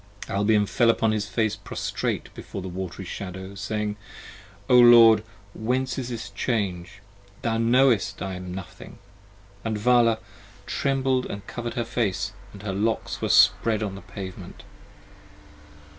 Albion fell upon his face prostrate before the wat'ry Shadow, Saying: O Lord whence is this change? thou knowest I am nothing! And Vala trembled & cover'd her face ;& her locks were spread on the pavemen t.